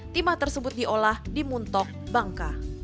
timah tersebut diolah di muntok bangka